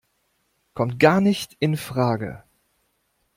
Kommt gar nicht infrage!